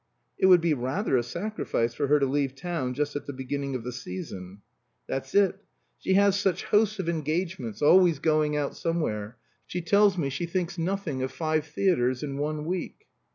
"It would be rather a sacrifice for her to leave town just at the beginning of the season." "That's it. She has such hosts of engagements always going out somewhere. She tells me she thinks nothing of five theatres in one week."